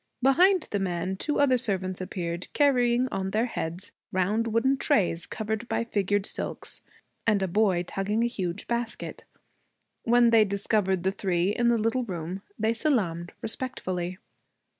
Behind the man two other servants appeared, carrying on their heads round wooden trays covered by figured silks, and a boy tugging a huge basket. When they discovered the three in the little room they salaamed respectfully.